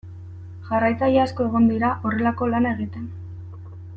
Jarraitzaile asko egongo dira horrelako lana egiten.